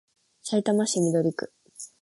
さいたま市緑区